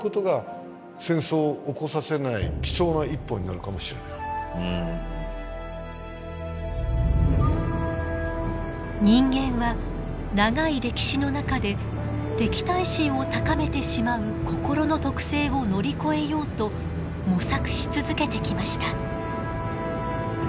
今だからおっしゃったように例えば今人間は長い歴史の中で敵対心を高めてしまう心の特性を乗り越えようと模索し続けてきました。